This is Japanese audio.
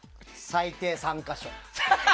最低３か所。